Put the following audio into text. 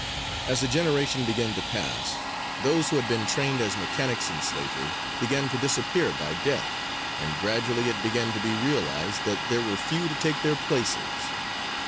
As a generation began to pass, those who had been trained as mechanics in slavery began to disappear by death, and gradually it began to be realized that there were few to take their places.